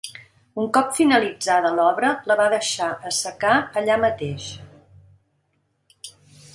Un cop finalitzada l'obra, la va deixar assecar allà mateix.